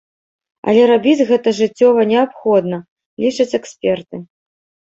Але рабіць гэта жыццёва неабходна, лічаць эксперты.